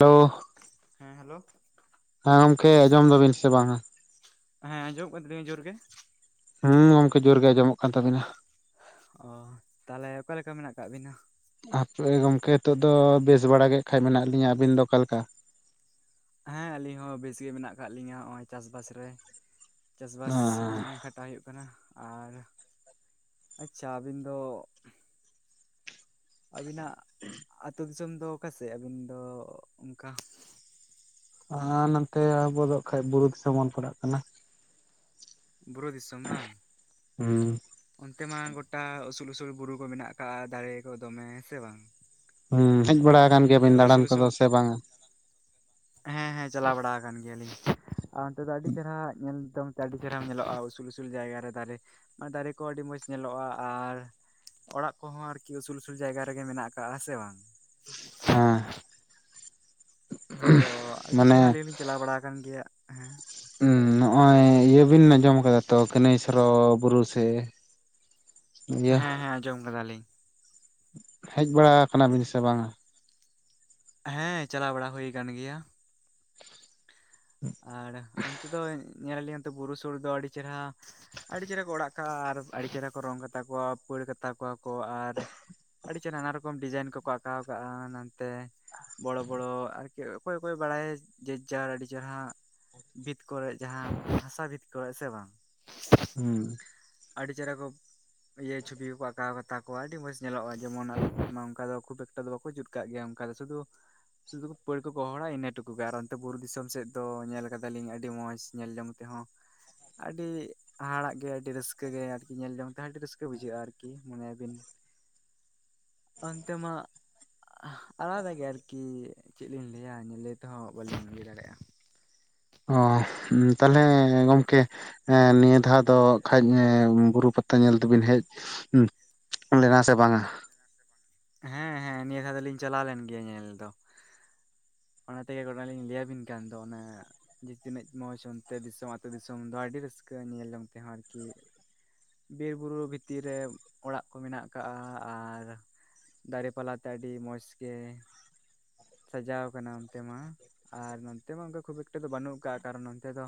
Hello ᱦᱮᱸ hello ᱦᱮᱸ ᱜᱚᱢᱠᱮ ᱟᱸᱡᱚᱢ ᱫᱟᱵᱤᱱ ᱥᱮ ᱵᱟᱝᱼᱟ? ᱦᱮᱸ ᱟᱸᱡᱚᱢᱚᱜ ᱠᱟᱱ ᱛᱞᱤᱧ ᱡᱳᱨ ᱜᱮ ᱦᱩᱸ ᱜᱚᱢᱠᱮ ᱡᱳᱨ ᱜᱮ ᱟᱸᱚᱢᱚᱜ ᱠᱟᱱ ᱛᱟᱵᱤᱱᱟ ᱚ ᱛᱟᱦᱚᱞᱮ ᱚᱠᱟᱞᱮᱠᱟ ᱢᱮᱱᱟᱜ ᱟᱠᱟᱟᱜ ᱵᱤᱱᱟ ᱟᱯᱮ ᱜᱚᱝᱠᱮ ᱱᱤᱛᱚᱜ ᱫᱚ ᱵᱮᱥ ᱵᱟᱲᱟ [inaudible] ᱢᱮᱱᱟᱜ ᱞᱤᱧᱟᱹ ᱟᱹᱵᱤᱱ ᱫᱚ ᱚᱠᱟᱞᱮᱠᱟ ᱦᱮᱸ ᱟᱞᱤᱧ ᱦᱚᱸ ᱵᱮᱥᱜ ᱜᱮ ᱢᱮᱱᱟᱜ ᱟᱠᱟᱫ ᱞᱤᱧᱟ ᱱᱚᱜ ᱚᱭ ᱪᱟᱥᱵᱟᱥ ᱨᱮ ᱪᱟᱥᱵᱟᱥ ᱦᱚᱸ ᱠᱟᱴᱟᱜ ᱦᱩᱭᱩᱜ ᱠᱟᱱᱟ ᱟᱨ ᱟᱪᱪᱷᱟ ᱵᱤᱱ ᱫᱚ ᱟᱹᱵᱤᱱᱟᱜᱼᱟ ᱟᱹᱛᱩᱳ ᱫᱤᱥᱚᱢ ᱫᱚ ᱚᱠᱟᱥᱮᱫ ᱟᱹᱵᱤᱱ ᱫᱚ ᱚᱱᱠᱟ? ᱟᱨ ᱱᱚᱛᱮ ᱟᱵᱚ ᱫᱚ ᱠᱷᱟᱱ ᱵᱩᱨᱩ ᱫᱤᱥᱚᱢ ᱵᱚᱱ ᱯᱟᱲᱟᱜ ᱠᱟᱱᱟ ᱵᱩᱨᱩ ᱫᱤᱥᱚᱢ ᱵᱟᱝ ᱦᱩᱸ ᱚᱱᱛᱮ ᱢᱟ ᱜᱚᱴᱟ ᱩᱥᱩᱞ ᱩᱥᱩᱞ ᱵᱩᱨᱩ ᱠᱚ ᱢᱮᱱᱟᱜ ᱟᱠᱟᱟᱜᱼᱟ ᱫᱟᱨᱮ ᱠᱚ ᱫᱚᱢᱮ ᱥᱮ ᱵᱟᱝ? ᱦᱩᱸ ᱦᱮᱡ ᱵᱟᱲᱟ ᱟᱠᱟᱱ ᱚᱱᱠᱟ ᱜᱮᱭᱟᱵᱤᱱ ᱫᱟᱬᱟᱱ ᱩᱥᱩᱞ ᱩᱥᱩᱞ ᱠᱚᱫᱚ ᱥᱮ ᱵᱟᱝᱟ ᱦᱮᱸ ᱦᱮᱸ ᱪᱟᱞᱟᱣ ᱵᱟᱲᱟ ᱟᱠᱟᱱ ᱜᱮᱭᱟᱞᱤᱧ ᱟᱨ ᱚᱱᱛᱮ ᱫᱚ ᱟᱹᱰᱤ ᱪᱮᱨᱦᱨᱟ ᱧᱮᱞ ᱛᱮ ᱟᱹᱰᱤ ᱪᱮᱨᱦᱨᱟ ᱧᱮᱞᱚᱜᱼᱟ ᱩᱥᱩᱞ ᱩᱥᱩᱞ ᱡᱟᱭᱜᱟᱟᱨᱮ ᱫᱟᱨᱮ ᱢᱮ ᱫᱟᱨᱮ ᱠᱚ ᱟᱹᱰᱤ ᱢᱚᱸᱡᱽ ᱧᱮᱞᱚᱜᱼᱟ ᱟᱨ ᱚᱲᱟᱜ ᱠᱚᱦᱚᱸ ᱟᱨᱠᱤ ᱩᱥᱩᱞᱼᱩᱥᱩᱞ ᱡᱟᱭᱜᱟ ᱨᱮᱜᱮ ᱢᱮᱱᱟᱜ ᱠᱟᱜᱼᱟ ᱥᱮ ᱵᱟᱝ? ᱦᱮ ᱛᱚ ᱟᱹᱰᱤ ᱪᱮᱦᱨᱟ ᱟᱹᱞᱤᱧ ᱞᱤᱧ ᱪᱟᱞᱟᱣ ᱵᱟᱲᱟ ᱟᱠᱟᱱ ᱜᱮᱭᱟ ᱦᱮᱸ ᱱᱚᱜ ᱚᱚᱭ ᱤᱭᱟᱹ ᱵᱤᱱ ᱟᱸᱡᱚᱢ ᱟᱠᱟᱫᱟ ᱛᱚ ᱠᱱᱟᱹᱭ ᱥᱚᱨᱚ ᱵᱩᱨᱩ ᱥᱮ? ᱤᱭᱟᱹ ᱦᱮᱸ ᱦᱮᱸ ᱟᱸᱡᱚᱢ ᱠᱟᱫᱟᱞᱤᱧ ᱦᱮᱡ ᱵᱟᱲᱟ ᱟᱠᱟᱱᱟ ᱵᱤᱱ ᱥᱮ ᱵᱟᱝᱟ? ᱦᱮᱸ ᱪᱟᱞᱟᱣ ᱵᱟᱲᱟ ᱦᱩᱭ ᱟᱠᱟᱱ ᱜᱮᱭᱟ ᱟᱨ ᱚᱱᱛᱮ ᱫᱚ ᱧᱮᱞᱮᱲᱮ ᱵᱩᱨᱩ ᱥᱩᱨ ᱫᱚ ᱟᱹᱰᱤ ᱪᱮᱦᱨᱟ ᱟᱹᱰᱤ ᱪᱮᱦᱨᱟ ᱠᱚ ᱚᱲᱟᱜ ᱠᱟᱜᱼᱟ ᱟᱨ ᱟᱹᱰᱤ ᱪᱮᱦᱨᱟ ᱠᱚ ᱨᱚᱝ ᱠᱟᱛᱟ ᱠᱚᱣᱟ ᱯᱟᱹᱲ ᱠᱟᱛᱟ ᱠᱚᱣᱟ ᱠᱚ ᱟᱨ ᱟᱹᱰᱤ ᱪᱮᱨᱦᱟ ᱱᱟᱱᱟ ᱨᱚᱠᱚᱢ ᱰᱤᱡᱟᱭᱤᱱ ᱠᱚᱠᱚ ᱟᱸᱠᱟᱣ ᱠᱟᱜᱼᱟ ᱱᱟᱱᱛᱮ ᱵᱚᱲᱚ ᱵᱚᱲᱚ ᱟᱨᱠᱤ ᱚᱠᱚᱭ ᱚᱠᱚᱭ ᱵᱟᱲᱟᱭᱟ ᱡᱮᱡᱟᱨ ᱟᱹᱰᱤ ᱡᱟᱦᱟᱸ ᱵᱤᱛ ᱠᱚᱨᱮ ᱡᱟᱦᱟᱸ ᱦᱟᱥᱟ ᱵᱤᱛ ᱠᱚᱨᱮ ᱥᱮ ᱵᱟᱝ ᱦᱩᱸ ᱟᱹᱰᱤ ᱪᱮᱨᱦᱨᱟ ᱠᱚ ᱤᱭᱟᱹ ᱪᱷᱚᱵᱤ ᱠᱚᱠᱚ ᱟᱸᱠᱟᱣ ᱠᱟᱛᱟ ᱠᱚᱣᱟ ᱟᱹᱰᱤ ᱢᱚᱸᱡᱽ ᱧᱮᱞᱚᱜᱼᱟ ᱡᱮᱢᱚᱱ ᱚᱱᱠᱟ ᱫᱚ ᱠᱷᱩᱵ ᱮᱠᱴᱟ ᱫᱚ ᱵᱟᱠᱚ ᱡᱩᱛ ᱚᱱᱠᱟ ᱫᱚ ᱥᱩᱫᱩ ᱥᱩᱫᱩ ᱯᱟᱹᱲ ᱜᱚᱦᱚᱲᱟ ᱤᱱᱟᱹ ᱴᱩᱠᱩ ᱜᱮ ᱟᱨ ᱚᱱᱛᱮ ᱵᱩᱨᱩ ᱫᱤᱥᱚᱢ ᱥᱮᱫ ᱫᱚ ᱧᱮᱞ ᱠᱟᱫᱟᱞᱤᱧ ᱟᱹᱰᱤ ᱢᱚᱸᱡᱽ ᱧᱮᱞ ᱡᱚᱝ ᱛᱮᱸᱦᱚᱸ ᱟᱹᱰᱤ ᱦᱟᱦᱟᱲᱟᱜ ᱜᱮ ᱟᱹᱰᱤ ᱨᱟᱹᱥᱠᱟᱹ ᱟᱹᱠᱟᱹ ᱜᱮ ᱟᱨᱠᱤ ᱧᱮᱞ ᱡᱚᱝ ᱛᱮᱦᱚᱸ ᱟᱹᱰᱤ ᱨᱟᱹᱥᱠᱟᱹ ᱵᱩᱡᱷᱟᱹᱜᱼᱟ ᱟᱨᱠᱤ ᱢᱟᱱᱮ ᱟ. ᱵᱤᱱ ᱚᱱᱛᱮ ᱢᱟᱜ ᱟᱦ ᱟᱞᱟᱫᱟ ᱜᱮ ᱟᱨᱠᱤ ᱪᱮᱫ ᱞᱤᱧ ᱞᱟᱹᱭᱟ ᱧᱮᱞᱟᱹᱭ ᱛᱮᱦᱚᱸ ᱵᱟᱹᱞᱤᱧ ᱞᱟᱹᱭ ᱫᱟᱲᱮᱭᱟᱜᱼᱟ ᱚᱦᱻ ᱛᱟᱞᱦᱮ ᱜᱚᱝᱠᱮ ᱱᱤᱭᱟᱹ ᱫᱷᱟᱣ ᱫᱚ ᱠᱷᱟᱡ ᱵᱩᱨᱩ ᱯᱟᱛᱟ ᱧᱮᱞ ᱛᱮᱵᱤᱱ ᱦᱮᱡ [unintelligible] ᱞᱮᱱᱟ ᱥᱮ ᱵᱟᱝᱟ ᱦᱮᱸ ᱦᱮᱸ ᱱᱤᱭᱟᱹ ᱫᱷᱟᱣ ᱫᱚᱞᱤᱧ ᱪᱟᱞᱟᱣ ᱞᱮᱱ ᱜᱮᱭᱟ ᱧᱮᱞ ᱫᱚ ᱚᱱᱟ ᱛᱮᱜᱮ ᱜᱚᱴᱟ ᱞᱤᱧ ᱞᱟᱹᱭᱟᱵᱤᱱ ᱠᱟᱱ ᱫᱚ ᱚᱱᱮ ᱡᱮ ᱛᱤᱱᱟᱹᱜ ᱢᱚᱡᱽ ᱚᱱᱛᱮ ᱫᱤᱥᱚᱢ ᱟᱹᱛᱩ ᱫᱤᱥᱚᱢ ᱫᱚ ᱟᱹᱰᱤ ᱨᱟᱹᱥᱠᱟᱹ ᱧᱮᱞ ᱡᱚᱝ ᱛᱮᱦᱚᱸ ᱟᱨᱠᱤ ᱵᱤᱨ ᱵᱩᱨᱩ ᱵᱷᱤᱛᱤᱨ ᱨᱮ ᱚᱲᱟᱜ ᱠᱚ ᱢᱮᱱᱟᱜ ᱟᱠᱟᱜ ᱟᱨ ᱫᱟᱨᱮ ᱯᱟᱞᱟᱛᱮ ᱟᱹᱰᱤ ᱢᱚᱸᱡᱽ ᱜᱮ ᱥᱟᱡᱟᱣ ᱠᱟᱱᱟ ᱚᱱᱛᱮ ᱢᱟ ᱟᱨ ᱱᱚᱱᱛᱮ ᱢᱟ ᱚᱝᱠᱟ ᱠᱷᱩᱵ ᱮᱠᱴᱟ ᱫᱚ ᱵᱟᱹᱱᱩᱜ ᱠᱟᱜ ᱠᱟᱨᱚᱱ ᱚᱱᱛᱮ ᱫᱚ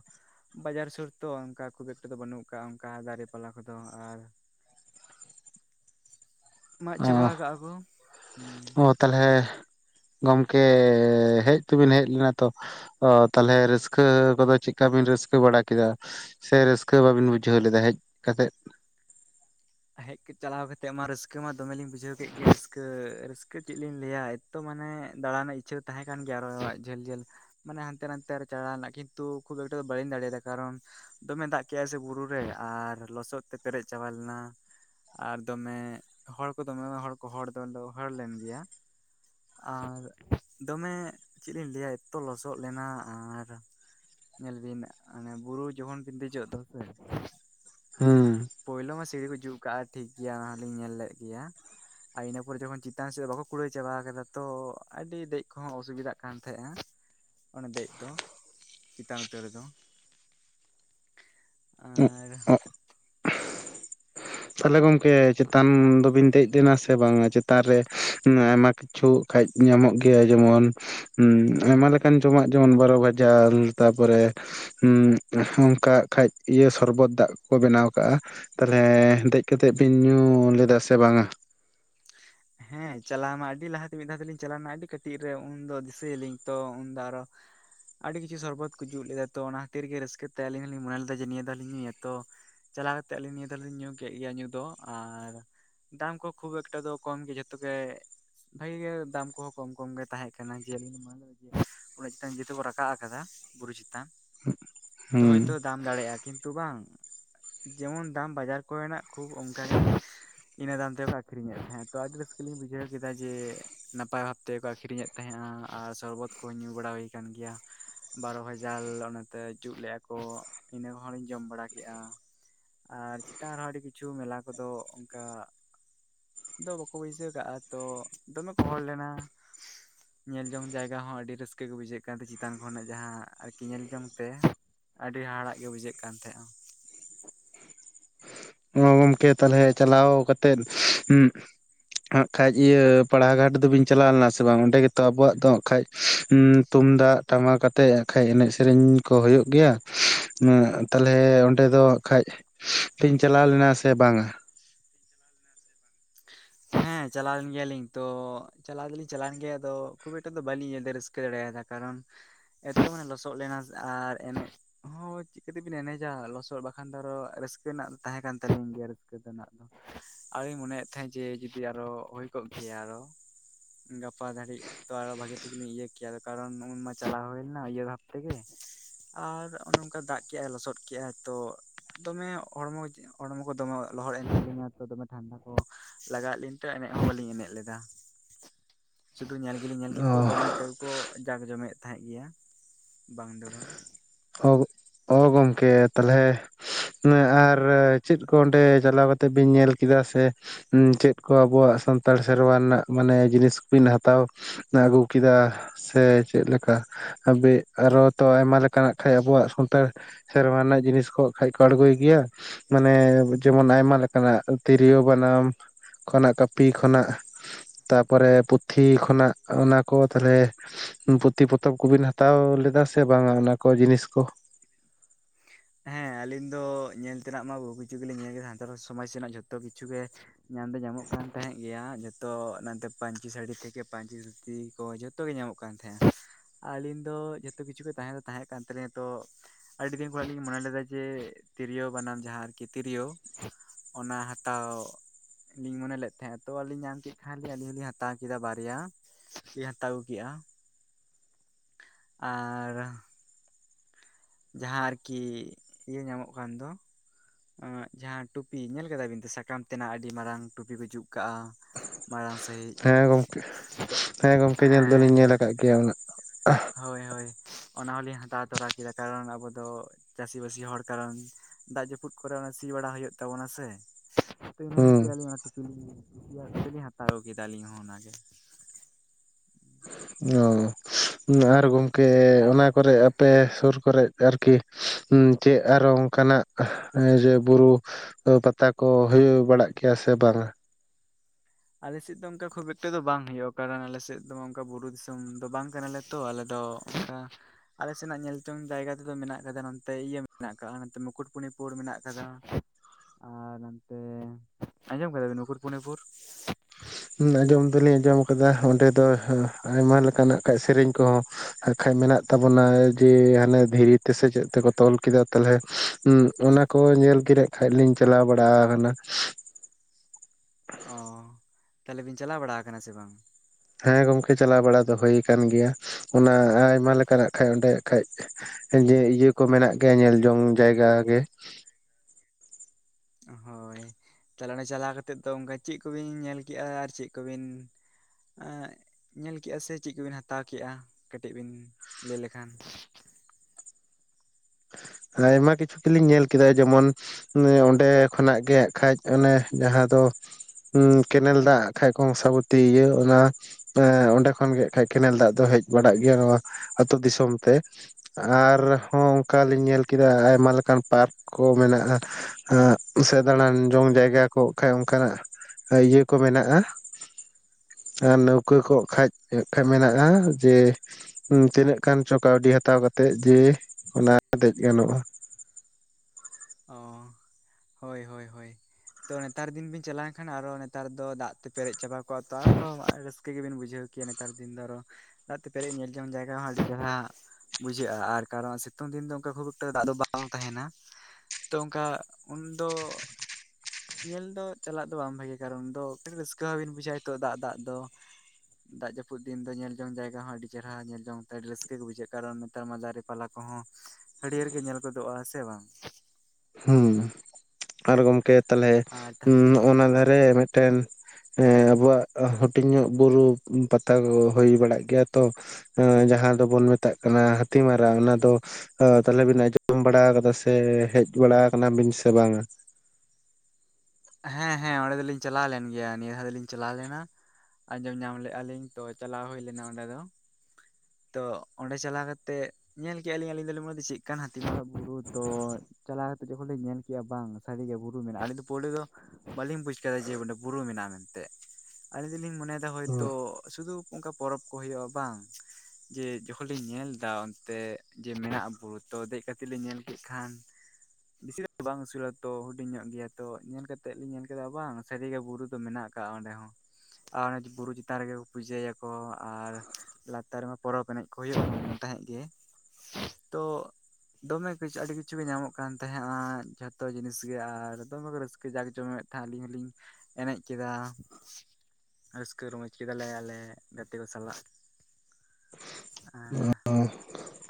ᱵᱟᱡᱟᱨ ᱥᱩᱨ ᱛᱚ ᱚᱝᱠᱟ ᱠᱷᱩᱵ ᱮᱠᱴᱟ ᱫᱚ ᱵᱟᱹᱱᱩᱜ ᱠᱟᱜᱼᱟ ᱚᱝᱠᱟ ᱫᱟᱨᱮ ᱯᱟᱞᱟ ᱠᱚᱫᱚ ᱟᱨ ᱢᱟᱜ ᱪᱟᱵᱟ ᱠᱟᱜᱼᱟ ᱠᱚ ᱦᱩᱸ ᱛᱟᱞᱦᱮ ᱜᱚᱝᱠᱮ ᱦᱮᱡ ᱛᱮᱵᱤᱱ ᱦᱮᱡ ᱞᱮᱱᱟ ᱛᱚ ᱚ ᱛᱟᱞᱦᱮ ᱨᱟᱹᱥᱠᱟᱹ ᱠᱚᱫᱚ ᱪᱮᱜᱠᱟ ᱵᱤᱱ ᱨᱟᱹᱥᱠᱟᱹ ᱵᱟᱲᱟ ᱠᱮᱫᱟ ᱥᱮ ᱨᱟᱹᱥᱠᱟᱹ ᱵᱟᱵᱤᱱ ᱵᱩᱡᱷᱟᱹᱣ ᱞᱮᱫᱟ ᱦᱮᱡᱽ ᱠᱟᱛᱮᱜ ᱦᱮᱜ ᱪᱟᱞᱟᱣ ᱠᱟᱛᱮᱫ ᱢᱟ ᱨᱟᱹᱥᱠᱟᱹ ᱢᱟ ᱫᱚᱢᱮᱞᱤᱧ ᱵᱩᱡᱷᱟᱹᱣ ᱠᱮᱜ ᱜᱮ ᱨᱟᱹᱥᱠᱟᱹ ᱨᱟᱹᱥᱠᱟᱹ ᱪᱮᱫ ᱞᱤᱧ ᱞᱟᱹᱭᱟ ᱛᱚ ᱢᱟᱱᱮ ᱫᱟᱬᱟᱱ ᱨᱮᱱᱟᱜ ᱤᱪᱪᱷᱟᱹ ᱛᱟᱦᱮᱸ ᱠᱟᱱ ᱜᱮᱭᱟ ᱟᱨᱚ ᱡᱷᱟᱹᱞ ᱡᱷᱟᱹᱞ ᱢᱟᱱᱮ ᱦᱟᱱᱛᱮ ᱱᱟᱛᱮ ᱟᱨ ᱪᱟᱞᱟᱣ ᱞᱮᱱᱟ ᱠᱤᱱᱛᱩ ᱠᱷᱩᱵ ᱮᱠᱴᱟ ᱫᱚ ᱵᱟᱹᱤᱧ ᱫᱟᱲᱮᱭᱟᱫᱟ ᱠᱟᱨᱚᱱ ᱫᱚᱢᱮ ᱫᱟᱜ ᱠᱮᱼᱟᱭ ᱥᱮ ᱵᱩᱨᱩ ᱨᱮ ᱟᱨ ᱞᱚᱥᱚᱫ ᱛᱮ ᱯᱮᱨᱮᱡ ᱪᱟᱵᱟ ᱞᱮᱱᱟ ᱟᱨ ᱫᱚᱢᱮ ᱦᱚᱲ ᱠᱚ ᱫᱚᱢᱮ [unintelligible] ᱦᱚᱲ ᱞᱮᱱ ᱜᱮᱭᱟ ᱟᱨ ᱫᱚᱢᱮ ᱪᱮᱫ ᱞᱤᱧ ᱞᱟᱹᱭᱟ ᱮᱛᱚ ᱞᱚᱥᱚᱫ ᱞᱮᱱᱟ ᱟᱨ ᱧᱮᱞ ᱵᱤᱱ ᱟᱸᱱᱮ ᱵᱩᱨᱩ ᱡᱚᱠᱷᱚᱱ ᱵᱤᱱ ᱫᱮᱡᱚᱜ ᱫᱚ ᱥᱮ ᱦᱩᱸ ᱯᱳᱭᱞᱳ ᱢᱟ ᱥᱤᱲᱤ ᱠᱚ ᱡᱩᱜ ᱠᱟᱜᱼᱟ ᱴᱷᱤᱠ ᱜᱮᱭᱟ ᱚᱱᱟ ᱦᱚᱸᱞᱤᱧ ᱧᱮᱞ ᱞᱮᱜ ᱜᱮᱭᱟ ᱟᱨ ᱤᱱᱟᱹ ᱯᱚᱨᱮ ᱡᱚᱠᱷᱚᱱ ᱪᱮᱛᱟᱱ ᱥᱮᱫ ᱫᱚ ᱵᱟᱠᱚ ᱠᱩᱲᱟᱹᱭ ᱪᱟᱵᱟ ᱠᱟᱫᱟ ᱛᱚ ᱟᱹᱰᱤ ᱫᱮᱡ ᱠᱚᱦᱚᱸ ᱚᱥᱩᱵᱤᱫᱟᱜ ᱠᱟᱱ ᱛᱟᱦᱮᱸᱜᱼᱟ ᱚᱱᱮ ᱫᱮᱡ ᱫᱚ ᱪᱮᱛᱟᱱ ᱩᱛᱟᱹᱨ ᱨᱮᱫᱚ ᱟᱨᱻ ᱟᱞᱮ ᱜᱚᱝᱠᱮ ᱪᱮᱛᱟᱱ ᱫᱚᱵᱤᱱ ᱫᱮᱡ ᱞᱮᱱᱟ ᱥᱮ ᱵᱟᱝᱟ ᱪᱮᱛᱟᱱ ᱨᱮ ᱟᱭᱢᱟ ᱠᱤᱪ ᱪᱷᱩ ᱠᱷᱟᱡ ᱧᱟᱢᱚᱜ ᱜᱮᱭᱟ ᱡᱮᱢᱚᱱ ᱦᱩᱸ ᱟᱭᱢᱟ ᱞᱮᱠᱟᱱ ᱡᱚᱢᱟᱜ ᱡᱮᱢᱚᱱ ᱵᱟᱨᱚ ᱵᱷᱟᱡᱟᱞ ᱛᱟᱯᱚᱨᱮ ᱦᱩᱸ ᱚᱝᱠᱟ ᱠᱷᱟᱡ ᱤᱭᱟᱹ ᱥᱚᱨᱵᱚᱫᱽ ᱫᱟᱜ ᱠᱚᱠᱚ ᱵᱮᱱᱟᱣ ᱠᱟᱜᱼᱟ ᱛᱟᱞᱦᱮ ᱫᱮᱡ ᱠᱟᱛᱮᱜ ᱵᱤᱱ ᱧᱩ ᱞᱮᱫᱟ ᱥᱮ ᱵᱟᱝᱟ [unintelligible] ᱦᱮᱸ ᱪᱟᱞᱟᱣ ᱢᱟ ᱟᱹᱰᱤ ᱞᱟᱦᱟᱛᱮ ᱢᱤᱫ ᱫᱷᱟᱣ ᱛᱮᱞᱤᱧ ᱪᱟᱞᱟᱣᱱᱟ ᱟᱹᱰᱤ ᱠᱟᱹᱴᱤᱜ ᱨᱮ ᱩᱱᱫᱚ ᱫᱤᱥᱟᱹᱭᱞᱤᱧ ᱛᱚ ᱩᱱᱫᱚ ᱟᱨᱚ ᱟᱹᱰᱤ ᱠᱤᱪᱷᱩ ᱥᱚᱨᱵᱚᱛ ᱠᱚ ᱡᱩᱜ ᱞᱮᱫᱟ ᱛᱚ ᱚᱱᱟ ᱠᱷᱟᱹᱛᱤᱨ ᱜᱮ ᱨᱟᱹᱥᱠᱟᱹ ᱛᱮ ᱟᱹᱞᱤᱧ ᱦᱚᱸᱞᱤᱧ ᱢᱚᱱᱮ ᱞᱮᱫᱟ ᱡᱮ ᱱᱤᱭᱟᱹ ᱫᱷᱟᱣᱞᱤᱧ ᱧᱩᱭᱟ ᱛᱚ ᱪᱟᱞᱟᱣ ᱠᱟᱛᱮᱜ ᱟᱹᱞᱤᱧ ᱱᱤᱭᱟᱹ ᱫᱷᱟᱞᱤᱧ ᱧᱩ ᱠᱮᱜ ᱜᱮᱭᱟ ᱧᱩ ᱫᱚ ᱟᱨ ᱫᱟᱢ ᱠᱚ ᱠᱷᱩᱵ ᱮᱠ ᱴᱟᱫᱚ ᱠᱚᱢ ᱜᱮ ᱡᱷᱚᱛᱚ ᱜᱮ ᱵᱷᱟᱹᱜᱤ ᱜᱮ ᱫᱟᱢ ᱠᱚᱦᱚᱸ ᱠᱚᱢ ᱠᱚᱢ ᱜᱮ ᱛᱟᱦᱮᱸ ᱠᱟᱱᱟ [unintelligible] ᱢᱟᱞ ᱩᱱᱟᱹᱜ ᱪᱮᱛᱟᱱ ᱡᱮᱛᱩᱠᱚ ᱨᱟᱠᱟᱜ ᱟᱠᱟᱫᱟ ᱵᱩᱨᱩ ᱪᱮᱛᱟᱱ ᱛᱚ ᱦᱳᱭᱛᱳ ᱦᱩᱸ ᱫᱟᱢ ᱫᱟᱲᱮᱭᱟᱜᱼᱟ ᱠᱤᱱᱛᱩ ᱵᱟᱝ ᱡᱮᱢᱚᱱ ᱫᱟᱢ ᱵᱟᱡᱟᱨ ᱠᱚᱨᱮᱱᱟᱜ ᱠᱷᱩᱵ ᱚᱝᱠᱟᱜᱮ ᱤᱱᱟᱹ ᱫᱟᱢ ᱛᱮᱜᱮ ᱠᱚ ᱟᱠ ᱟᱠᱷᱨᱤᱧᱮᱜ ᱛᱟᱦᱮᱸᱜ ᱛᱚ ᱟᱹᱰᱤ ᱨᱟᱹᱥᱠᱟᱹᱞᱤᱧ ᱵᱩᱡᱷᱟᱹᱣ ᱠᱮᱫᱟ ᱡᱮ ᱱᱟᱯᱟᱭ ᱵᱷᱟᱵ ᱛᱮᱜᱮᱠᱚ ᱟᱠᱷᱨᱤᱧᱮᱜ ᱛᱟᱦᱮᱸᱼᱟ ᱟᱨ ᱥᱚᱨᱵᱚᱛ ᱠᱚ ᱧᱩ ᱵᱟᱲᱟ ᱦᱩᱭ ᱟᱠᱟᱱ ᱜᱮᱭᱟ ᱵᱟᱨᱚ ᱵᱷᱟᱡᱟᱞ ᱚᱱᱟᱛᱮ ᱡᱩᱜ ᱞᱮᱜᱼᱟ ᱠᱚ ᱤᱱᱟᱹ ᱦᱚᱸᱤᱧ ᱡᱚᱢ ᱵᱟᱲᱟ ᱠᱮᱜᱼᱟ ᱟᱨ ᱪᱮᱛᱟᱱ ᱨᱮᱦᱚᱸ ᱟᱹᱰᱤ ᱠᱤᱪᱷᱩ ᱢᱮᱞᱟ ᱠᱚᱫᱚ ᱚᱝᱠᱟ ᱫᱚ ᱵᱟᱠᱚ ᱵᱟᱹᱭᱥᱟᱹᱣ ᱠᱟᱜᱼᱟ ᱛᱚ ᱫᱚᱢᱮ ᱠᱚ ᱦᱚᱲ ᱞᱮᱱᱟ ᱧᱮᱞ ᱡᱚᱝ ᱡᱟᱭᱜᱟ ᱦᱚᱸ ᱟᱹᱰᱤ ᱨᱟᱹᱥᱠᱟᱹ ᱜᱮ ᱵᱩᱡᱷᱟᱹᱜ ᱠᱟᱱᱛᱮ ᱪᱮᱛᱟᱱ ᱠᱷᱚᱱᱟᱜ ᱡᱟᱦᱟᱸ ᱟᱨᱠᱤ ᱧᱮᱞ ᱡᱚᱝ ᱛᱮ ᱟᱹᱰᱤ ᱦᱟᱦᱟᱲᱟᱜ ᱜᱮ ᱵᱩᱡᱷᱟᱹᱜ ᱠᱟᱱ ᱛᱟᱦᱮᱸᱜᱼᱟ ᱚ ᱜᱚᱝᱠᱮ ᱛᱟᱞᱦᱮ ᱪᱟᱞᱟᱣ ᱠᱟᱛᱮᱜ ᱩᱢ ᱦᱟᱸᱜ ᱠᱷᱟᱱᱡ ᱤᱭᱟᱹ ᱯᱟᱲᱟᱜᱷᱟᱴ ᱫᱚᱵᱤᱱ ᱪᱟᱞᱟᱣ ᱞᱮᱱᱟ ᱥᱮ ᱵᱟᱝ ᱚᱸᱰᱮ ᱜᱮᱛᱚ ᱟᱵᱚᱣᱟᱜ ᱫᱚ ᱠᱷᱟᱡ ᱩᱢ ᱛᱩᱢᱫᱟᱜ ᱴᱟᱢᱟᱠ ᱠᱟᱛᱮᱫ ᱠᱷᱟᱡ ᱮᱱᱮᱡ ᱥᱮᱨᱮᱧ ᱠᱚ ᱦᱩᱭᱩᱜ ᱜᱮᱭᱟ᱾ ᱛᱟᱦᱚᱞᱮ ᱚᱰᱮ ᱫᱚ ᱠᱷᱟᱡ ᱵᱤᱱ ᱪᱟᱞᱟᱣ ᱞᱮᱱᱟ ᱥᱮ ᱵᱟᱝ-ᱟ᱾ ᱦᱮᱸ ᱪᱟᱞᱟᱣ ᱮᱱ ᱜᱮᱭᱟᱞᱤᱧ ᱛᱚ ᱪᱟᱞᱟ ᱫᱚᱞᱤᱧ ᱪᱟᱞᱟᱣᱱ ᱜᱮᱭᱟ ᱟᱫᱚ ᱠᱷᱩᱵ ᱮᱠᱴᱟ ᱫᱚ ᱵᱟᱞᱤᱧ ᱤᱭᱟᱹ ᱨᱟᱹᱥᱠᱟᱹ ᱫᱟᱲᱮ ᱟᱫᱟ᱾ ᱠᱟᱨᱚᱱ [unintelligible] ᱢᱟᱱᱮ ᱞᱚᱥᱚᱫ ᱞᱮᱱᱟ ᱟᱨ ᱮᱱᱮᱡ ᱦᱚ ᱪᱤᱠᱟ ᱵᱤᱱ ᱮᱱᱮ ᱡᱟ ᱞᱚᱥᱚᱫ ᱵᱟᱠᱷᱟᱱ ᱫᱷᱚᱨᱚ ᱨᱟᱹᱥᱠᱟᱹ ᱨᱮᱱᱟᱜ ᱫᱚ ᱛᱟᱦᱮᱸ ᱠᱟᱱ ᱛᱟᱞᱤᱧ ᱜᱮᱭᱟ ᱨᱟᱹᱥᱠᱟᱹ ᱨᱮᱱᱟᱜ ᱫᱚ᱾ ᱟᱨᱚᱧ ᱢᱚᱱᱮᱭᱮᱫ ᱛᱟᱦᱮᱸ ᱡᱮ ᱡᱩᱫᱤ ᱟᱨᱚ ᱦᱩᱭ ᱠᱚᱜ ᱜᱮᱭᱟ ᱟᱨᱚ ᱜᱟᱯᱟ ᱜᱟᱯᱟ ᱫᱷᱟᱨᱤᱡ ᱛᱚ ᱟᱨᱚ ᱵᱷᱟᱜᱤ ᱴᱷᱤᱠ ᱤᱧ ᱤᱭᱟᱹ ᱠᱮᱭᱟ᱾ ᱠᱟᱨᱚᱱ ᱩᱱ ᱢᱟ ᱪᱟᱞᱟᱣ ᱦᱩᱭ ᱞᱮᱱᱟ ᱤᱭᱟᱹ ᱵᱷᱟᱵ ᱛᱮ ᱜᱮ ᱟᱨ ᱚᱱᱮ ᱚᱱᱠᱟ ᱫᱟᱜ ᱠᱮᱜᱟᱭ ᱞᱚᱥᱚᱫ ᱠᱮᱜ-ᱟᱭ᱾ ᱛᱚ ᱫᱚᱢᱮ ᱦᱚᱲᱢᱚ ᱦᱚᱲᱢᱚ ᱠᱚ ᱫᱚᱢᱮ ᱞᱚᱦᱚᱫ ᱮᱱ ᱛᱚ ᱫᱚᱢᱮ ᱴᱷᱟᱱᱰᱟ ᱠᱚ ᱞᱟᱜᱟᱣᱟᱜ ᱞᱤᱧ ᱛᱚ ᱮᱱᱮᱡ ᱦᱚᱸ ᱵᱟᱞᱤᱧ ᱮᱱᱮᱡ ᱞᱮᱫᱟ ᱥᱩᱫᱷᱩ ᱧᱮᱞ ᱜᱮᱞᱤᱧ ᱧᱮᱞ ᱠᱮᱫ ᱚ ᱠᱚᱣᱟ ᱫᱚ ᱢᱮ ᱛᱟᱹᱣ ᱠᱚ ᱡᱟᱠ ᱡᱚᱢᱮᱫ ᱛᱟᱦᱮᱫ ᱜᱮᱭᱟ ᱵᱟᱝ ᱫᱚ ᱵᱟᱝ ᱚ ᱜᱚᱢᱝᱠᱮ ᱛᱟᱦᱚᱞᱮ ᱟᱨ ᱪᱮᱫ ᱠᱚ ᱚᱸᱰᱮ ᱪᱟᱞᱟᱣ ᱠᱟᱛᱮ ᱵᱤᱱ ᱧᱮᱞ ᱠᱮᱫᱟ ᱥᱮ ᱪᱮᱫ ᱠᱚ ᱟᱵᱚᱣᱟᱜ ᱥᱟᱱᱛᱟᱲ ᱥᱮᱨᱣᱟ ᱨᱮᱱᱟᱜ ᱢᱟᱱᱮ ᱡᱤᱱᱤᱥ ᱵᱤᱱ ᱦᱟᱛᱟᱣ ᱟᱹᱜᱩ ᱠᱮᱫᱟ ᱥᱮ ᱪᱮᱫ ᱞᱮᱠᱟ ᱟᱵᱮᱸ ᱟᱨᱚᱛ ᱛᱚ ᱟᱭᱢᱟ ᱞᱮᱠᱟᱱᱟᱜ ᱠᱷᱟᱡ ᱟᱵᱚᱣᱟᱜ ᱥᱟᱱᱛᱟᱲ ᱥᱮᱨᱣᱟ ᱨᱮᱱᱟᱜ ᱡᱤᱱᱤᱥ ᱠᱚ ᱠᱷᱟᱡ ᱠᱚ ᱟᱬᱜᱚᱭ ᱜᱮᱭᱟ ᱢᱟᱱᱮ ᱡᱮᱢᱚᱱ ᱟᱭᱢᱟ ᱞᱮᱠᱟᱱ ᱟᱜ ᱛᱤᱨᱭᱳ ᱵᱟᱱᱟᱢ ᱠᱷᱚᱱᱟᱜ ᱠᱟᱯᱤ ᱠᱷᱚᱱᱟᱜ ᱛᱟᱯᱚ ᱨᱮ ᱯᱩᱛᱷᱤ ᱠᱷᱚᱱᱟᱜ ᱚᱱᱟ ᱠᱚ ᱛᱟᱦᱞᱮ ᱯᱩᱛᱷᱤ ᱯᱚᱛᱚᱵ ᱠᱩ ᱵᱤᱱ ᱦᱟᱛᱟᱣ ᱞᱮᱫᱟ ᱥᱮ ᱵᱟᱝ ᱟ ᱚᱱᱟ ᱠᱚ ᱡᱤᱱᱤᱥ ᱠᱚ᱾ ᱦᱮᱸ ᱟᱞᱤᱧ ᱫᱚ ᱧᱮᱞ ᱛᱮᱱᱟᱜ ᱢᱟ ᱵᱩᱦᱩ ᱠᱤᱪᱷᱩ ᱜᱮᱞᱤᱧ ᱧᱮᱞ ᱠᱮᱫᱟ ᱥᱟᱱᱛᱟᱲ ᱥᱚᱢᱟᱡᱽ ᱨᱮᱱᱟᱜ ᱡᱷᱚᱛᱚ ᱠᱤᱪᱷᱩ ᱜᱮ᱾ ᱧᱟᱢ ᱫᱚ ᱧᱟᱢᱚᱜ ᱠᱟᱱ ᱛᱟᱦᱮᱫ ᱜᱮᱭᱟ ᱡᱚᱛᱚ ᱢᱮᱱᱛᱮ ᱯᱟᱹᱧᱪᱤ ᱥᱟᱹᱲᱤ ᱛᱷᱮᱠᱮ ᱯᱟᱹᱧᱤ ᱫᱷᱩᱛᱤ ᱠᱚ ᱡᱷᱚᱛᱚ ᱡᱚᱛᱚ ᱜᱮ ᱧᱟᱢᱚᱜ ᱠᱟᱱ ᱛᱟᱦᱮᱱᱟ ᱟᱨ ᱟᱞᱤᱧ ᱫᱚ ᱡᱚᱛᱚ ᱠᱤᱪᱷᱩ ᱜᱮ ᱛᱟᱦᱮᱸ ᱫᱚ ᱛᱟᱦᱮᱸ ᱠᱟᱱ ᱛᱟᱞᱤᱧ ᱛᱚ ᱟᱰᱤ ᱫᱤᱱ ᱠᱷᱚᱱ ᱞᱤᱧ ᱢᱚᱱᱮ ᱞᱮᱫᱟ ᱡᱮ ᱛᱤᱨᱭᱳ ᱵᱟᱱᱟᱢ ᱡᱟᱦᱟ ᱟᱨᱠᱤ ᱛᱤᱨᱭᱳ᱾ ᱚᱱᱟ ᱦᱟᱛᱟᱣ ᱞᱤᱧ ᱢᱚᱱᱮ ᱞᱮᱫ ᱛᱟᱦᱮᱜ ᱛᱚ ᱟᱞᱤᱧ ᱧᱟᱢ ᱠᱮᱫ ᱠᱷᱟᱱ ᱟᱞᱤᱧ ᱦᱚᱞᱤᱧ ᱦᱟᱛᱟᱣ ᱠᱮᱫᱟ ᱵᱟᱨᱭᱟ᱾ ᱤᱧ ᱦᱟᱛᱟᱣ ᱟᱜᱩ ᱠᱮᱜ-ᱟ ᱟᱨ ᱡᱟᱦᱟᱸ ᱟᱨ ᱠᱤ ᱤᱭᱟᱹ ᱧᱟᱢᱚᱜ ᱠᱟᱱ ᱫᱚ᱾ ᱡᱟᱦᱟᱸ ᱴᱩᱯᱤ ᱧᱮᱞ ᱠᱟᱫᱟ ᱵᱤᱱ ᱛᱚ ᱥᱟᱠᱟᱢ ᱛᱮᱱᱟᱜ ᱟᱰᱤ ᱢᱟᱨᱟᱝ ᱴᱩᱯᱤ ᱠᱚ ᱡᱩᱜ ᱠᱟᱜ-ᱟ᱾ ᱢᱟᱨᱟᱝ ᱥᱮ ᱦᱮᱸ ᱜᱚᱝᱠᱮ ᱦᱮᱸ ᱜᱚᱝᱠᱮ ᱧᱮᱞ ᱫᱚ ᱦᱮᱸ ᱞᱤᱧ ᱧᱮᱞ ᱦᱮᱸ ᱟᱠᱟᱫ ᱜᱮᱭᱟ ᱩᱱᱟᱹᱜ ᱦᱳᱭ ᱦᱳᱭ ᱚᱱᱟ ᱦᱚᱞᱤᱧ ᱦᱟᱛᱟᱣ ᱛᱚᱨᱟ ᱠᱮᱫᱟ ᱠᱟᱨᱚᱱ ᱟᱵᱚ ᱫᱚ ᱪᱟᱹᱥᱤ ᱵᱟᱹᱥᱤ ᱦᱚᱲ ᱠᱟᱨᱚᱱ ᱫᱟᱜ ᱡᱟᱯᱩᱫ ᱠᱚ ᱨᱮ ᱥᱤ ᱵᱟᱲᱟ ᱦᱩᱭᱩᱜ ᱛᱟᱵᱚᱱᱟ ᱥᱮ ᱛᱚ ᱤᱱᱟᱹ ᱛᱮᱫ ᱦᱩᱸ ᱟᱹᱞᱤᱧ ᱚᱱᱟ ᱴᱩᱯᱤ ᱞᱤᱧ ᱠᱩᱥᱤᱭᱟᱜ ᱛᱮ ᱞᱤᱧ ᱦᱟᱛᱟᱣ ᱠᱮᱫᱟ ᱟᱞᱤᱧ ᱦᱚᱸ ᱚᱱᱟᱜᱮ ᱚ ᱟᱨ ᱜᱚᱝᱠᱮ ᱚᱱᱟ ᱠᱚ ᱨᱮ ᱟᱯᱮ ᱥᱩᱨ ᱠᱚ ᱨᱮ ᱟᱨᱠᱤ ᱪᱮᱫ ᱟᱨᱚ ᱚᱱᱠᱟᱱᱟᱜ ᱡᱮ ᱵᱩᱨᱩ ᱯᱟᱛᱟ ᱠᱚ ᱦᱩᱭᱩᱜ ᱵᱟᱲᱟᱜ ᱠᱮᱭᱟ ᱥᱮ ᱵᱟᱝ-ᱟ᱾ ᱟᱞᱮ ᱥᱮᱫ ᱫᱚ ᱚᱱᱠᱟ ᱠᱷᱩᱵᱽ ᱮᱠᱴᱟ ᱫᱚ ᱵᱟᱝ ᱦᱩᱭᱩᱜ-ᱟ ᱠᱟᱨᱚᱱ ᱟᱞᱮ ᱥᱮᱫ ᱫᱚ ᱚᱱᱠᱟ ᱵᱩᱨᱩ ᱫᱤᱥᱚᱢ ᱫᱚ ᱵᱟᱝ ᱠᱟᱱᱟᱞᱮ ᱛᱚ ᱟᱞᱮ ᱫᱚ ᱟ ᱟᱞᱮ ᱥᱮᱱᱟᱜ ᱧᱮᱞ ᱡᱚᱝ ᱡᱟᱭᱜᱟ ᱛᱮ ᱫᱚ ᱢᱮᱱᱟᱜ ᱟᱠᱟᱫᱟ ᱱᱚᱛᱮ ᱤᱭᱟᱹ ᱢᱮᱱᱟᱜ ᱟᱠᱟᱫᱟ ᱱᱚᱛ ᱢᱩᱠᱩᱴᱢᱩᱱᱤᱯᱩᱨ ᱢᱮᱱᱟᱜ ᱟᱠᱟᱫᱟ᱾ ᱟᱨ ᱚᱱᱛᱮ ᱟᱸᱡᱚᱢ ᱠᱟᱫᱟ ᱵᱤᱱ ᱢᱩᱠᱩᱴᱢᱩᱱᱤᱯᱩᱨ ᱟᱸᱡᱚᱢ ᱫᱚᱞᱤᱧ ᱟᱸᱡᱚᱢ ᱟᱠᱟᱫᱟ ᱚᱸᱰᱮ ᱫᱚ ᱟᱭᱢᱟ ᱞᱮᱠᱟᱱᱟᱜ ᱥᱮᱨᱮᱧ ᱠᱚᱦᱚᱸ ᱟᱨ ᱠᱷᱟᱡ ᱢᱮᱱᱟᱜ ᱛᱟᱵᱚᱱᱟ ᱡᱮ ᱦᱟᱱᱮ ᱫᱷᱤᱨᱤ ᱛᱮ ᱥᱮ ᱪᱮᱫ ᱛᱮ ᱠᱚ ᱛᱚᱞ ᱠᱮᱫᱟ ᱛᱟᱦᱚᱞᱮ ᱦᱮᱸ ᱚᱱᱟ ᱠᱚ ᱧᱮᱞ ᱜᱮ ᱫᱮᱱᱟ ᱠᱷᱟᱡ ᱞᱤᱧ ᱪᱟᱞᱟᱣ ᱵᱟᱲᱟ ᱟᱠᱟᱱᱟ᱾ ᱚ ᱛᱟᱦᱚᱞᱮ ᱵᱤᱱ ᱪᱟᱞᱟᱣ ᱵᱟᱲᱟ ᱟᱠᱟᱱᱟ ᱥᱮ ᱵᱟᱝ ᱦᱮᱸ ᱜᱚᱝᱠᱮ ᱪᱟᱞᱟᱣ ᱵᱟᱲᱟ ᱫᱚ ᱦᱩᱭ ᱟᱠᱟᱱ ᱜᱮᱭᱟ ᱚᱱᱟ ᱟᱭᱢᱟ ᱞᱮᱠᱟᱱᱟᱜ ᱠᱷᱟᱱ ᱚᱸᱰᱮ ᱠᱷᱟᱱ ᱦᱮ ᱤᱭᱟᱹ ᱠᱚ ᱢᱮᱱᱟᱜ ᱜᱮᱭᱟ ᱧᱮᱞ ᱡᱚᱝ ᱡᱟᱭᱜᱟ ᱜᱮ ᱦᱳᱭ ᱛᱟᱦᱞᱮ ᱚᱱᱰᱮ ᱪᱟᱞᱟᱣ ᱠᱟᱛᱮᱫ ᱫᱚ ᱚᱱᱠᱟ ᱪᱮᱫ ᱠᱚᱵᱤᱱ ᱧᱮᱞ ᱠᱮᱜ-ᱟ ᱟᱨ ᱪᱮᱫ ᱠᱚᱵᱤᱱ ᱧᱮᱞ ᱠᱮᱜ-ᱟ ᱥᱮ ᱪᱮᱫ ᱠᱚᱵᱤᱱ ᱦᱟᱛᱟᱣ ᱠᱮᱫᱮᱜ-ᱟ ᱠᱟᱹᱴᱤᱡ ᱵᱤᱱ ᱞᱟᱹᱭ ᱞᱮᱠᱷᱟᱱ ᱟᱭᱢᱟ ᱠᱤᱪᱷᱩ ᱜᱮ ᱞᱤᱧ ᱧᱮᱞ ᱠᱮᱫᱟ ᱡᱮᱢᱚᱱ ᱚᱸᱰᱮ ᱠᱷᱚᱱᱟᱜ ᱜᱮ ᱠᱷᱟᱡ ᱚᱱᱮ ᱡᱟᱦᱟᱸ ᱫᱚ ᱾ ᱠᱮᱱᱮᱞ ᱫᱟᱜ ᱠᱷᱟᱡ ᱠᱚᱝᱥᱟᱵᱚᱛᱤ ᱤᱭᱟᱹ ᱚᱱᱟ ᱮᱸ ᱚᱸᱰᱮ ᱠᱷᱚᱱ ᱜᱮ ᱠᱷᱟᱡ ᱠᱮᱱᱮᱞ ᱫᱟᱜ ᱫᱚ ᱦᱮᱡ ᱵᱟᱲᱟᱜ ᱜᱮᱭᱟ ᱱᱚᱣᱟ ᱟᱹᱛᱩ ᱫᱤᱥᱚᱢ ᱛᱮ ᱟᱨ ᱦᱚᱸ ᱚᱱᱠᱟ ᱞᱤᱧ ᱧᱮᱞ ᱠᱮᱫᱟ ᱟᱭᱢᱟ ᱞᱮᱠᱟᱱ ᱯᱟᱨᱠ ᱠᱚ ᱢᱮᱱᱟᱜᱼᱟ ᱾ ᱥᱮ ᱫᱟᱬᱟᱱ ᱡᱚᱝ ᱡᱟᱭᱜᱟ ᱠᱚᱜ ᱠᱷᱟᱡ ᱚᱱᱠᱟ ᱱᱟᱜ, ᱤᱭᱟᱹ ᱠᱚ ᱢᱮᱱᱟᱜᱼᱟ ᱾ ᱟᱨ ᱱᱟᱹᱣᱠᱟᱹ ᱠᱚᱜ ᱠᱷᱟᱡ ᱠᱷᱟᱱ ᱢᱮᱱᱟᱜᱼᱟ, ᱡᱮ ᱛᱤᱱᱟᱹᱜ ᱜᱟᱱ ᱪᱚ ᱠᱟᱹᱣᱰᱤ ᱦᱟᱛᱟᱣ ᱠᱟᱛᱮᱜ ᱡᱮ ᱚᱱᱟ ᱨᱮ ᱫᱮᱡ ᱜᱟᱱᱚᱜᱼᱟ ᱾ ᱚᱻ ᱦᱳᱭ ᱦᱳᱭ ᱦᱳᱭ ᱛᱚ ᱱᱮᱛᱟᱨ ᱫᱤᱱ ᱵᱤᱱ ᱪᱟᱞᱟᱣ ᱮᱱᱠᱷᱟᱱ ᱟᱨᱚ ᱱᱮᱛᱟᱨ ᱫᱚ ᱫᱟᱜ ᱛᱮ ᱯᱮᱨᱮᱡ ᱪᱟᱵᱟ ᱠᱚᱜᱼᱟ ᱛᱚ ᱨᱟᱹᱥᱠᱟᱹ ᱜᱮᱵᱤᱱ ᱵᱩᱡᱷᱟᱹᱣ [unintelligible] ᱱᱮᱛᱟᱨ ᱫᱤᱱ ᱫᱚ ᱟᱨᱚ ᱫᱟᱜ ᱛᱮ ᱯᱮᱨᱮᱡ ᱧᱮᱞ ᱡᱚᱝ ᱡᱟᱭᱜᱟ ᱡᱟᱦᱟᱸ ᱵᱩᱡᱷᱟᱹᱜᱼᱟ ᱟᱨ ᱠᱟᱨᱚᱱ ᱥᱤᱛᱩᱝ ᱫᱤᱱ ᱫᱚ ᱚᱱᱠᱟ ᱠᱷᱩᱵ ᱮᱠᱴᱟ ᱫᱟᱜ ᱫᱚ ᱵᱟᱝ ᱛᱟᱦᱮᱱᱟ ᱛᱚ ᱚᱱᱠᱟ ᱩᱱ ᱫᱚ ᱧᱮᱞ ᱫᱚ ᱪᱟᱞᱟᱜ ᱫᱚ ᱵᱟᱝ ᱵᱷᱟᱜᱮ ᱠᱟᱨᱚᱱ ᱩᱱ ᱫᱚ ᱠᱟᱹᱴᱤᱡ ᱨᱟᱹᱥᱠᱟᱹ ᱦᱚᱸᱵᱤᱱ ᱵᱩᱡᱷᱟᱹᱣᱟ ᱱᱤᱛᱚᱜ ᱫᱟᱜ ᱫᱟᱜ ᱫᱚ ᱾ ᱫᱟᱜ ᱡᱟᱹᱯᱩᱫ ᱫᱤᱱ ᱫᱚ ᱧᱮᱞ ᱡᱚᱝ ᱡᱟᱭᱜᱟ ᱦᱚᱸ ᱟᱹᱰᱤ ᱪᱮᱨᱦᱟ ᱧᱮᱞ ᱡᱚᱝ ᱟᱹᱰᱤ ᱨᱟᱹᱥᱠᱟᱹ ᱜᱮ ᱵᱩᱡᱷᱟᱹᱜᱼᱟ ᱟᱨ ᱱᱮᱛᱟᱨ ᱢᱟ ᱫᱟᱨᱮ ᱯᱟᱞᱟ ᱠᱚᱦᱚᱸ ᱦᱟᱹᱨᱭᱟᱹᱲ ᱜᱮ ᱧᱮᱞ ᱜᱚᱫᱚᱜᱼᱟ ᱥᱮ ᱵᱟᱝ? ᱦᱩᱸ ᱟᱨ ᱜᱚᱢᱠᱮ ᱛᱟᱦᱞᱮ ᱟᱨ ᱱᱚᱜ ᱱᱟ ᱫᱷᱟᱨᱮ ᱢᱤᱫ ᱴᱮᱱ ᱟᱵᱚᱣᱟᱜ ᱦᱩᱰᱤᱧ ᱧᱚᱜ ᱵᱩᱨᱩ ᱯᱟᱛᱟ ᱠᱩ ᱦᱩᱭ ᱵᱟᱲᱟᱜ ᱜᱮᱭᱟ ᱛᱚ ᱡᱟᱦᱟᱸ ᱫᱚᱵᱚᱱ ᱢᱮᱛᱟᱜ ᱠᱟᱱᱟ, ᱦᱟᱹᱛᱤ ᱢᱟᱨᱟ ᱚᱱᱟ ᱫᱚ, ᱛᱟᱦᱚᱞᱮ ᱵᱤᱱ ᱟᱸᱡᱚᱢ ᱵᱟᱲᱟ ᱟᱠᱟᱫᱟ ᱥᱮ ᱦᱮᱡ ᱵᱟᱲᱟ ᱟᱠᱟᱱᱟ ᱵᱤᱱ ᱥᱮ ᱵᱟᱝᱟ? ᱦᱮᱸ ᱦᱮᱸ ᱚᱸᱰᱮ ᱫᱚᱞᱤᱧ ᱪᱟᱞᱟᱣ ᱞᱮᱱ ᱜᱮᱭᱟ ᱾ ᱱᱤᱭᱟᱹ ᱫᱷᱟᱣ ᱫᱚᱞᱤᱧ ᱪᱟᱞᱟᱣ ᱞᱮᱱᱟ ᱾ ᱟᱸᱡᱚᱢ ᱧᱟᱢ ᱞᱮᱜᱼᱟ ᱞᱤᱧ, ᱛᱚ ᱪᱟᱞᱟᱣ ᱦᱩᱭ ᱞᱮᱱᱟ ᱚᱸᱰᱮ ᱫᱚ ᱾ ᱛᱚ ᱚᱸᱰᱮ ᱪᱟᱞᱟᱣ ᱠᱟᱛᱮ ᱧᱮᱞ ᱠᱮᱜᱼᱟ ᱞᱤᱧ ᱟᱹᱞᱤᱧ ᱫᱚ ᱞᱤᱧ ᱢᱚᱱᱮ ᱠᱮᱫᱟ ᱪᱮᱫ ᱞᱮᱠᱟᱱ ᱦᱟᱹᱛᱤ ᱵᱟ ᱵᱩᱨᱩ ᱫᱚ, ᱪᱟᱞᱟᱣ ᱠᱟᱛᱮᱫ ᱡᱚᱠᱷᱚᱱ ᱞᱮ ᱧᱮᱞ ᱠᱮᱫᱟ ᱵᱟᱝ ᱥᱟᱹᱨᱤ ᱜᱮ ᱵᱩᱨᱩ ᱢᱮᱱᱟᱜᱼᱟ ᱾ ᱟᱞᱮ ᱫᱚ ᱯᱳᱭᱞᱳ ᱫᱚ, ᱵᱟᱹᱞᱤᱧ ᱵᱩᱡ ᱠᱮᱫᱟ ᱡᱮ ᱚᱰᱮ ᱵᱩᱨᱩ ᱢᱮᱱᱟᱜᱼᱟ ᱢᱮᱱᱛᱮ ᱟᱹᱞᱤ ᱫᱚ ᱞᱤᱧ ᱢᱚᱱᱮᱭᱮᱫᱟ ᱦᱳᱭᱛᱚ ᱥᱩᱫᱩ ᱚᱱᱠᱟ ᱯᱚᱨᱚᱵᱽ ᱠᱚ ᱦᱩᱭᱩᱜᱼᱟ, ᱵᱟᱝ ᱡᱮ ᱡᱚᱠᱷᱚᱱ ᱞᱤᱧ ᱧᱮᱞ ᱮᱫᱟ, ᱚᱱᱛᱮ ᱡᱮ ᱢᱮᱱᱟᱜᱼᱟ ᱵᱩᱨᱩ ᱛᱚ ᱫᱮᱡ ᱠᱟᱛᱮᱜ ᱞᱤᱞ ᱧᱮᱞ ᱠᱮᱫ ᱠᱷᱟᱱ, ᱵᱮᱥᱤ ᱫᱚ ᱵᱟᱝ ᱩᱥᱩᱞᱟ ᱛᱚ ᱦᱩᱰᱤᱧ ᱧᱚᱜ ᱜᱮᱭᱟ ᱛᱚ ᱧᱮᱞ ᱠᱟᱛᱮ, ᱛᱮᱫ ᱞᱤᱧ ᱧᱮᱞ ᱠᱮᱫᱟ ᱵᱟᱝ ᱥᱟᱹᱨᱤᱜ ᱵᱩᱨᱩ ᱫᱚ ᱢᱮᱱᱟᱜ ᱟᱠᱟᱜᱼᱟ ᱚᱸᱰᱮ ᱦᱚᱸ ᱾ ᱟᱨ ᱵᱩᱨᱩ ᱪᱮᱛᱟᱱ ᱨᱮᱜᱮ ᱯᱩᱡᱟᱹᱭ ᱭᱟᱠᱚ ᱾ ᱟᱨ ᱞᱟᱛᱟᱨ ᱨᱮᱢᱟ ᱯᱚᱨᱚᱵᱽ ᱮᱱᱮᱡ ᱠᱚ ᱦᱩᱭᱩᱜ ᱛᱟᱦᱮᱸᱫ ᱜᱮ, ᱛᱚ ᱫᱚᱢᱮ ᱠᱤᱪᱷᱩ ᱟᱹᱰᱤ ᱠᱤᱪᱷᱩ ᱜᱮ ᱧᱟᱢᱚᱜ ᱠᱟᱱ ᱛᱟᱦᱮᱸᱜᱼᱟ, ᱡᱷᱚᱛᱚ ᱡᱤᱱᱤᱥ ᱜᱮ ᱟᱨ ᱫᱚᱢᱮ ᱠᱚ ᱨᱟᱹᱥᱠᱟᱹ ᱠᱟᱡᱟᱠ ᱡᱚᱢᱮᱫ ᱛᱟᱦᱮ ᱟᱹᱞᱤᱧ ᱦᱚᱞᱤᱧ ᱮᱱᱮᱡ ᱠᱮᱫᱟ ᱾ ᱨᱟᱹᱥᱠᱟᱹ ᱨᱚᱢᱚᱡ ᱠᱮᱫᱟᱞᱮ ᱟᱞᱮ ᱜᱟᱛᱮ ᱠᱚ ᱥᱟᱞᱟᱜ᱾ ᱟᱨ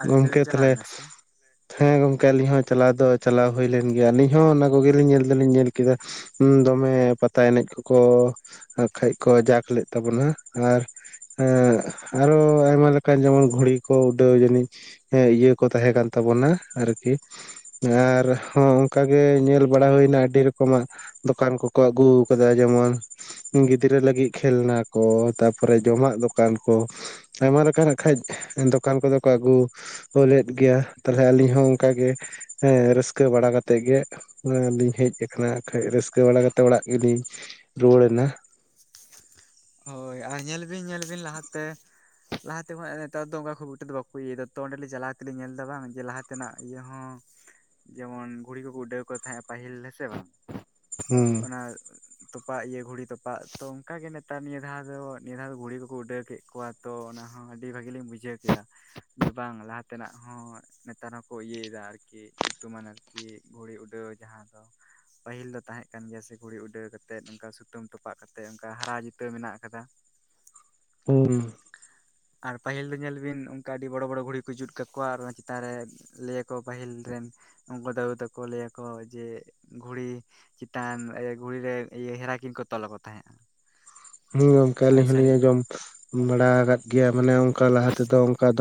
ᱟᱹᱵᱤᱱ ᱜᱚᱢᱠᱮ ᱫᱚᱵᱤᱱ ᱪᱟᱞᱟᱣ ᱛᱟᱦᱚᱞᱮ ᱞᱮᱱᱟ ᱥᱮ? ᱦᱮᱸ ᱜᱚᱝᱠᱮ ᱟᱞᱤᱧ ᱦᱚᱸ ᱪᱟᱞᱟᱣ ᱫᱚ ᱪᱟᱞᱟᱣ ᱦᱩᱭ ᱞᱮᱱ ᱜᱮᱭᱟ, ᱟᱹᱞᱤᱧ ᱦᱚᱸ ᱚᱱᱟ ᱠᱚᱜᱮ ᱞᱤᱧ ᱧᱮᱞ ᱫᱚ ᱞᱤᱧ ᱧᱮᱞ ᱠᱮᱫᱟ ᱦᱩᱻ ᱫᱚᱢᱮ ᱯᱟᱛᱟ ᱮᱱᱮᱡ ᱠᱚᱠᱚ ᱠᱚᱠᱚ ᱟᱨ ᱠᱷᱟᱡ ᱠᱚ ᱡᱟᱠ ᱞᱮᱫ ᱛᱟᱵᱚᱱᱟ, ᱟᱨ ᱟᱨᱚ ᱟᱭᱢᱟ ᱞᱮᱠᱟᱱ ᱡᱮᱢᱚᱱ ᱜᱷᱩᱲᱤ ᱠᱚ ᱩᱰᱟᱹᱣ ᱡᱟᱹᱱᱤᱡ ᱤᱭᱟᱹ ᱠᱚ ᱛᱟᱦᱮᱸ ᱠᱟᱱ ᱛᱟᱵᱚᱱᱟ, ᱟᱨᱠᱤ ᱟᱨ ᱦᱚᱸ ᱚᱱᱠᱟ ᱜᱮ ᱧᱮᱞ ᱵᱟᱲᱟ ᱦᱩᱭᱱᱟ ᱟᱹᱰᱤ ᱨᱚᱠᱚᱢᱟᱜ ᱫᱚᱠᱟᱱ ᱠᱚᱠᱚ ᱟᱹᱜᱩ ᱟᱠᱟᱫᱟ, ᱡᱮᱢᱚᱱ ᱜᱤᱫᱽᱨᱟᱹ ᱞᱟᱹᱜᱤᱫ ᱠᱷᱮᱞᱱᱟ ᱠᱚ, ᱛᱟᱨ ᱯᱚᱨᱮ ᱡᱚᱢᱟᱜ ᱫᱚᱠᱟᱱ ᱠᱚ, ᱟᱭᱢᱟ ᱞᱮᱠᱟ ᱱᱟᱜ ᱠᱷᱟᱡ ᱫᱚᱠᱟᱱ ᱠᱚᱫᱚ ᱠᱚ ᱟᱹᱜᱩ ᱞᱮᱫ ᱜᱮᱭᱟ ᱾ ᱛᱟᱦᱮ ᱟᱹᱞᱤᱧ ᱦᱚᱸ ᱚᱱᱠᱟ ᱜᱮ ᱮᱸ ᱨᱟᱹᱥᱠᱟᱹ ᱵᱟᱲᱟ ᱠᱟᱛᱮᱜ ᱜᱮ ᱾ ᱚᱲᱟ ᱞᱤᱧ ᱦᱮᱡ ᱟᱠᱟᱱᱟ ᱠᱷᱟᱡ ᱨᱟᱹᱥᱠᱟᱹ ᱵᱟᱲᱟ ᱠᱟᱛᱮ ᱚᱲᱟᱜ ᱜᱮᱞᱤᱧ ᱨᱩᱣᱟᱹᱲᱮᱱᱟ ᱾ ᱦᱳᱭ ᱟᱨ ᱧᱮᱞ ᱵᱤᱱ ᱧᱮᱞ ᱵᱤᱱ ᱞᱟᱦᱟ ᱛᱮ ᱾ ᱞᱟᱦᱟ ᱛᱮ ᱠᱷᱚᱱ ᱱᱮᱛᱟᱨ ᱫᱚ ᱚᱱᱠᱟ ᱠᱷᱩᱵ ᱮᱠᱴᱟ ᱫᱚ ᱵᱟᱠᱚ ᱤᱭᱟᱹᱫᱟ ᱛᱚ ᱚᱸᱰᱮ ᱪᱟᱞᱟᱣ ᱠᱟᱛᱮ ᱧᱮᱞ ᱮᱫᱟ ᱵᱟᱝ ᱡᱮ ᱞᱟᱦᱟ ᱚᱱᱛᱮᱱᱟᱜ ᱡᱚᱦᱚ, ᱡᱮᱢᱚᱱ ᱜᱷᱩᱲᱤ ᱠᱚᱠᱚ ᱩᱰᱟᱹᱣ ᱠᱚ ᱛᱟᱦᱮᱸᱜᱼᱟ ᱯᱟᱹᱦᱤᱞ ᱦᱮᱸᱥᱮ ᱵᱟᱝ?... ᱦᱩᱸ ᱚᱱᱟ ᱛᱚᱯᱟᱜ ᱤᱭᱟᱹ ᱜᱷᱩᱲᱤ ᱫᱚ ᱛᱚᱯᱟᱜ ᱛᱚ ᱚᱱᱠᱟ ᱜᱮ ᱱᱮᱛᱟᱨ ᱱᱤᱭᱟᱹ ᱫᱷᱟᱣ ᱫᱚ ᱱᱤᱭᱟᱹ ᱫᱷᱟᱣ ᱫᱚ ᱜᱷᱩᱲᱤ ᱠᱚᱠᱚ ᱩᱰᱟᱹᱣ ᱠᱮᱫ ᱠᱚᱣᱟ ᱛᱚ ᱚᱱᱟ ᱦᱚᱸ ᱟᱹᱰᱤ ᱵᱷᱟᱹᱜᱤ ᱞᱤᱧ ᱵᱩᱡ ᱵᱩᱡᱷᱟᱹᱣ ᱜᱮᱭᱟ ᱵᱟᱝ ᱞᱟᱦᱟ ᱛᱮᱱᱟᱜ ᱦᱚᱸᱼᱼ ᱱᱮᱛᱟᱨ ᱦᱚᱸ ᱠᱚ ᱤᱭᱟᱹᱭ ᱫᱟ ᱟᱨᱠᱤ ᱧᱩᱛᱩᱢᱟᱱ ᱟᱨᱠᱤ ᱜᱷᱩᱲᱤ ᱩᱰᱟᱹᱣ ᱡᱟᱦᱟᱸ ᱫᱚ ᱯᱟᱹᱦᱤᱞ ᱫᱚ ᱛᱟᱦᱮᱸ ᱠᱟᱱ ᱜᱮᱭᱟ ᱥᱮ ᱜᱷᱩᱲᱤ ᱩᱰᱟᱹᱣ ᱠᱟᱛᱮᱫ ᱚᱱᱠᱟ ᱥᱩᱛᱟᱹᱢ ᱛᱚᱯ ᱛᱚᱯᱟᱜ ᱠᱟᱛᱮᱫ ᱚᱱᱠᱟ ᱦᱟᱨᱟᱣ ᱡᱤᱛᱟᱹᱣ ᱢᱮᱱᱟᱜ ᱟᱠᱟᱫᱟ᱾ ᱦᱩᱸ᱾ ᱟᱨ ᱯᱟᱹᱦᱤᱞ ᱫᱚ ᱧᱮᱞ ᱵᱤᱱ ᱚᱱᱠᱟ ᱟᱹᱰᱤ ᱵᱚᱲᱚ ᱵᱚᱲᱚ ᱜᱷᱩᱲᱤ ᱠᱚ ᱡᱩᱛ ᱠᱟᱠᱚᱣᱟ ᱟᱨ ᱚᱱᱟ ᱪᱮᱛᱟᱱ ᱨᱮ ᱞᱟᱹᱭᱟᱠᱚ ᱯᱟᱹᱦᱤᱞ ᱨᱮᱱ ᱩᱱᱠᱩ ᱫᱟᱹᱫᱩ ᱛᱟᱠᱚ ᱞᱟᱹᱭ ᱟᱠᱚ ᱡᱮ ᱜᱷᱩᱲᱤ ᱪᱮᱛᱟᱱ ᱮ ᱜᱷᱩᱲᱤ ᱨᱮ ᱤᱭᱟᱹ ᱦᱮᱨᱟ ᱠᱤᱱ ᱠᱚ ᱛᱚᱞᱟ ᱠᱚ ᱛᱟᱦᱮᱸᱫ-ᱟ᱾ ᱦᱮᱸ ᱜᱚᱝᱠᱮ ᱟᱹᱞᱤᱧ ᱦᱚᱞᱤᱧ ᱟᱸᱡᱚᱢ ᱵᱟᱲᱟ ᱠᱟᱫ ᱜᱮᱭᱟ ᱢᱟᱱᱮ ᱚᱱᱠᱟ ᱞᱟᱦᱟ ᱛᱮᱫᱚ ᱚᱱᱠᱟ ᱫᱚ